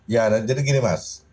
ya jadi gini mas